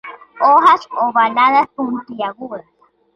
Hojas ovadas puntiagudas.